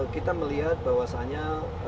kita melihat bahwasanya